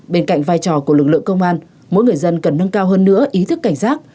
bên cạnh vai trò của lực lượng công an mỗi người dân cần nâng cao hơn nữa ý thức cảnh giác